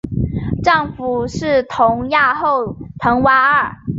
丈夫是同业后藤圭二。